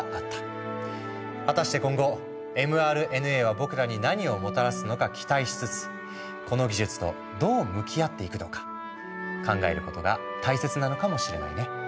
果たして今後ｍＲＮＡは僕らに何をもたらすのか期待しつつこの技術とどう向き合っていくのか考えることが大切なのかもしれないね。